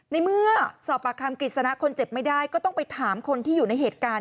ในเมื่อสอบปากคำกฤษณะคนเจ็บไม่ได้ก็ต้องไปถามคนที่อยู่ในเหตุการณ์